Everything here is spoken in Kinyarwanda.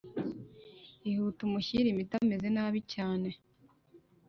ihute umushyire imiti ameze nabi cyane